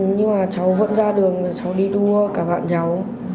nhưng mà cháu vẫn ra đường cháu đi đua cả bạn cháu